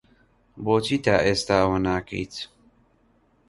بۆچی ئێستا ئەوە ناکەیت؟